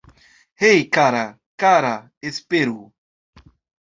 Hej, kara, kara.. Esperu